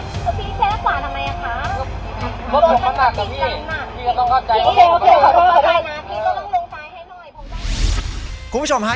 พี่ก็ต้องเข้าใจพี่ก็ต้องลงลงท้ายให้หน่อยคุณผู้ชมฮะ